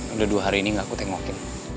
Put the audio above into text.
udah dua hari ini nggak aku tengokin